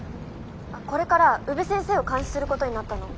これから宇部先生を監視することになったの。